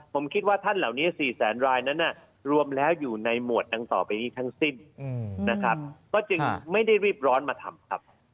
ผมคิดว่าท่านเหล่านี้๔แสนรายนั้นรวมแล้วอยู่ในหมวดดังต่อไปนี้ทั้งสิ้นนะครับก็จึงไม่ได้รีบร้อนมาทำครับ